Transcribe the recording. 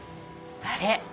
あれ？